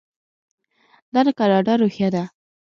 دا د کاناډا روحیه ده.